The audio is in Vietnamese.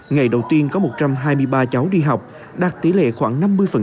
ngày đầu tiên có một trăm hai mươi ba cháu đi học đạt tỷ lệ khoảng năm mươi